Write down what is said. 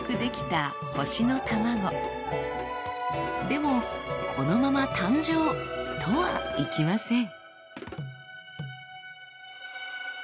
でもこのまま誕生とはいきません。